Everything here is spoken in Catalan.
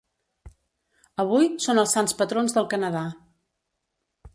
Avui, són els sants patrons del Canadà.